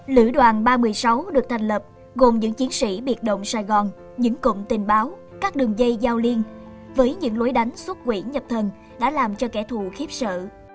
lữ đoàn ba trăm một mươi sáu được thành lập gồm những chiến sĩ biệt động sài gòn những cụm tình báo các đường dây giao liên với những lối đánh xuất quỷ nhập thần đã làm cho kẻ thù khiếp sợ